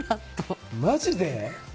マジで？